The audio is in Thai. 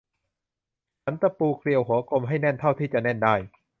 ขันตะปูเกลียวหัวกลมให้แน่นเท่าที่จะแน่นได้